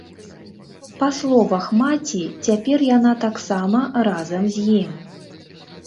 Па словах маці, цяпер яна таксама разам з ім.